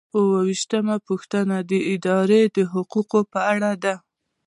اووه ویشتمه پوښتنه د ادارې د حقوقو په اړه ده.